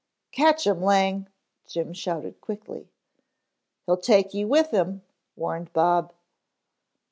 "Catch him, Lang," Jim shouted quickly. "He'll take you with him," warned Bob.